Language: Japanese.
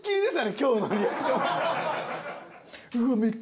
今日のリアクション。